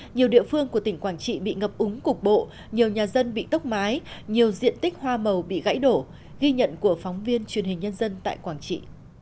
nhiều địa phương của tỉnh quảng trị bị ngập úng cục bộ nhiều nhà dân bị tốc mái nhiều diện tích hoa màu bị gãy đổ ghi nhận của phóng viên truyền hình nhân dân tại quảng trị